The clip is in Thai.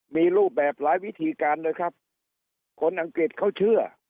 มีรูปแบบหลายวิธีการเลยครับคนอังกฤษเขาเชื่อ